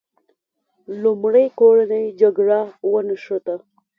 لومړی کورنۍ جګړه ونښته.